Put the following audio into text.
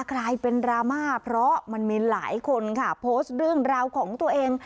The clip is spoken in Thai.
กลายเป็นดราม่าเพราะมันมีหลายคนค่ะโพสต์เรื่องราวของตัวเอง